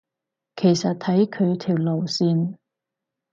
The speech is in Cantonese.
其實睇佢條路線